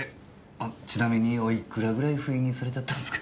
ちなみにおいくらぐらいフイにされちゃったんすか？